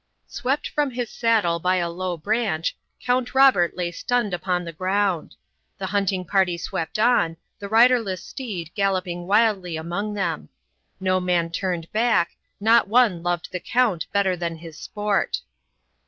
Swept from his saddle by a low branch, Count Robert lay stunned upon the ground. The hunting party swept on, the riderless steed galloping wildly among them. No man turned back; not one loved the Count better than his sport.